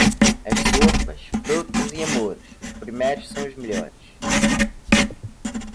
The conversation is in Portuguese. As sopas, frutas e amores, os primeiros são os melhores.